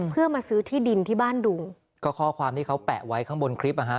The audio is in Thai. เพื่อมาซื้อที่ดินที่บ้านดุงก็ข้อความที่เขาแปะไว้ข้างบนคลิปอ่ะฮะ